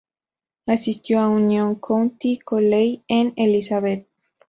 Asistió a Union County College en Elizabeth.